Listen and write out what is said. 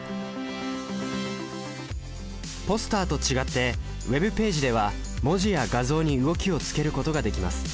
ポスターと違ってＷｅｂページでは文字や画像に動きをつけることができます。